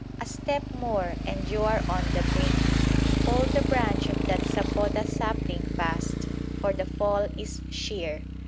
A step more and you are on the brink! Hold the branch of that sapota sapling fast, for the fall is sheer!